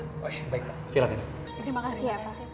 terima kasih ya pak